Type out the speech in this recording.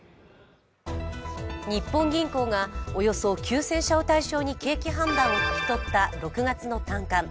日本銀行がおよそ９０００社を対象に景気判断を聞き取った６月の短観。